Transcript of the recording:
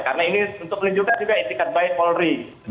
karena ini untuk menunjukkan juga intikat baik polri